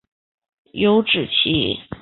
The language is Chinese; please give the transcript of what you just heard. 有脂鳍。